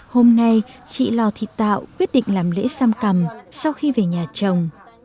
hôm nay chị lò thị tạo quyết định làm lễ xăm cằm sau khi về nhà chồng